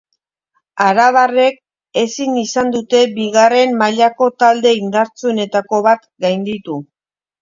Arabarrek ezin izan dute bigarren mailako talde indartsuenetako bat gainditu.